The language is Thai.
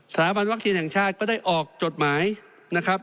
สถาบันวัคซีนแห่งชาติก็ได้ออกจดหมายนะครับ